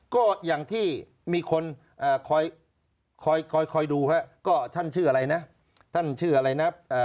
ก็อย่างที่มีคนคอยดูฮะก็ท่านชื่ออะไรนะท่านชื่ออะไรนะ